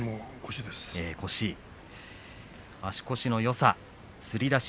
足腰のよさ、つり出し